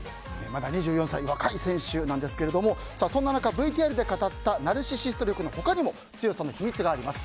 まだ２４歳、若い選手ですがそんな中、ＶＴＲで語ったナルシシスト力の他にも強さの秘密があります。